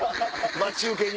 待ち受けに。